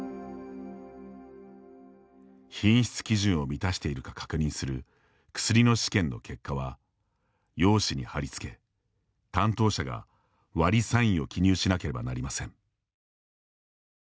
品質基準を満たしているか確認する薬の試験の結果は用紙に貼り付け担当者が割サインを記入しなければなりません。